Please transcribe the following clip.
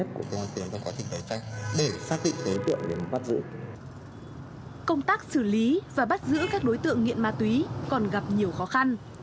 công tác xử lý và bắt giữ các đối tượng nghiện ma túy còn gặp nhiều khó khăn